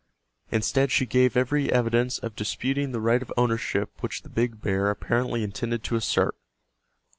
Instead she gave every evidence of disputing the right of ownership which the big bear apparently intended to assert.